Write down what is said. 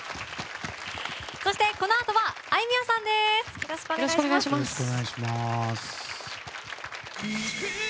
そして、このあとはあいみょんさんです。